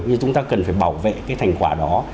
nhưng chúng ta cần phải bảo vệ cái thành quả đó